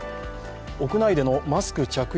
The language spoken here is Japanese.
屋内でのマスク着用